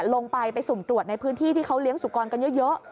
ลงไปไปสุ่มตรวจในพื้นที่ที่เขาเลี้ยงสุกรกันเยอะ